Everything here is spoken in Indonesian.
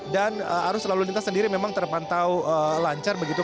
dan arus lalu lintas sendiri memang terpantau lancar begitu